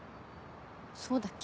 そうだっけ？